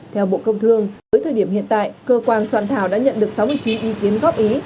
theo bộ công thương tới thời điểm hiện tại cơ quan soạn thảo đã nhận được sáu mươi chín ý kiến góp ý